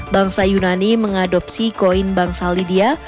bangsa yunani mengadopsi koin bangsa lydia